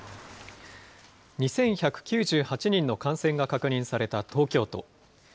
２１９８人の感染が確認された東京都。